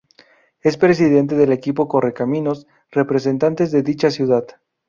Es presidente del equipo Correcaminos, representantes de dicha ciudad.